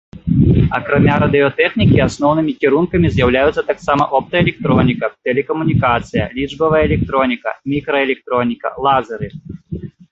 Акрамя радыётэхнікі асноўнымі кірункамі з'яўляюцца таксама оптаэлектроніка, тэлекамунікацыя, лічбавая электроніка, мікраэлектроніка, лазеры.